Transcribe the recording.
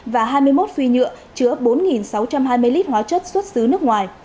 và hai mươi một phi nhựa chứa bốn sáu trăm hai mươi lít hóa chất xuất xứ nước ngoài